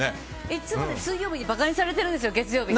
いつも水曜日に馬鹿にされてるんですよ、月曜日。